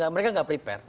mereka nggak prepare